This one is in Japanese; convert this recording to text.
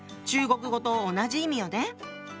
中国語と同じ意味よね。